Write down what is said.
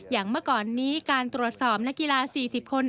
เมื่อก่อนนี้การตรวจสอบนักกีฬา๔๐คน